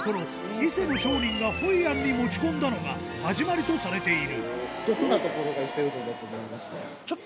伊勢の商人がホイアンに持ち込んだのが始まりとされている